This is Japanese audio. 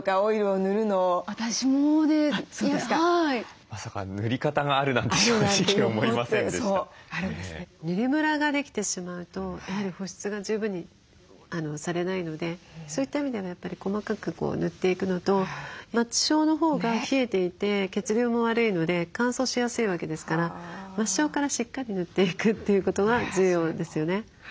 塗りムラができてしまうとやはり保湿が十分にされないのでそういった意味ではやっぱり細かく塗っていくのと末梢のほうが冷えていて血流も悪いので乾燥しやすいわけですから末梢からしっかり塗っていくということが重要ですよね。